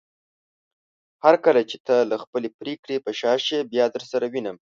هرکله چې ته له خپلې پریکړې په شا شې بيا درسره وينم